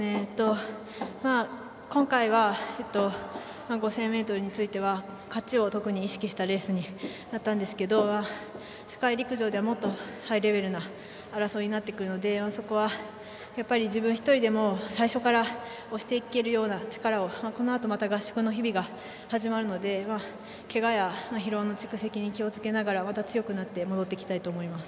今回は５０００ｍについては特に勝ちを意識したレースになったんですけど世界陸上ではもっとハイレベルな争いになってくるのでそこはやっぱり自分１人でも最初から押していけるような力をこのあとまた合宿の日々が始まるのでけがや疲労の蓄積に気をつけながら、また強くなって戻ってきたいと思います。